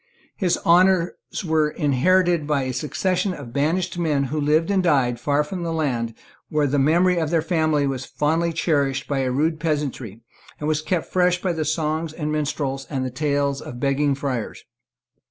His honours were inherited by a succession of banished men who lived and died far from the land where the memory of their family was fondly cherished by a rude peasantry, and was kept fresh by the songs of minstrels and the tales of begging friars.